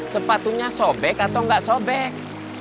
sepatunya sobek atau nggak sobek